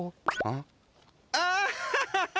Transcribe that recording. アーハハハ！